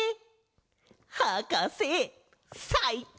はかせさいこう！